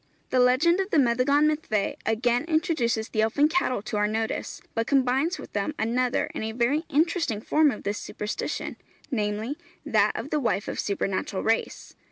The legend of the Meddygon Myddfai again introduces the elfin cattle to our notice, but combines with them another and a very interesting form of this superstition, namely, that of the wife of supernatural race.